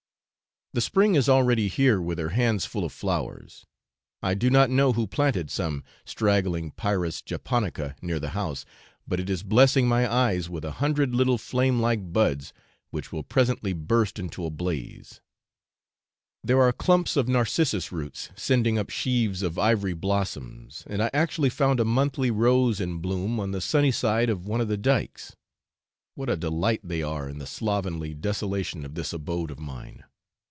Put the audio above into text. The spring is already here with her hands full of flowers. I do not know who planted some straggling pyrus japonica near the house, but it is blessing my eyes with a hundred little flame like buds, which will presently burst into a blaze; there are clumps of narcissus roots sending up sheaves of ivory blossoms, and I actually found a monthly rose in bloom on the sunny side of one of the dykes; what a delight they are in the slovenly desolation of this abode of mine!